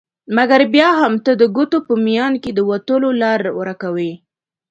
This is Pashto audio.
مګر بیا هم ته د ګوتو په میان کي د وتلو لار ورکوي